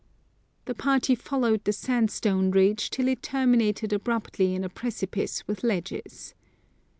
" The party followed the sandstone ridge till it terminated abruptly in a precipice with ledges.